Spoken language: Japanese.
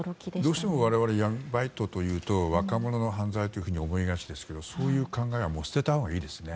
どうしても我々闇バイトというと若者の犯罪と思いがちですけどそういう考えはもう捨てたほうがいいですね。